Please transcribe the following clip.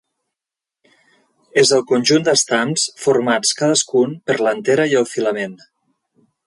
És el conjunt d'estams, formats cadascun per l'antera i el filament.